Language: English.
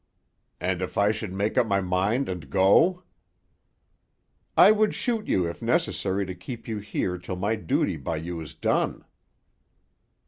"And if I should make up my mind and go?" "I would shoot you if necessary to keep you here till my duty by you is done!"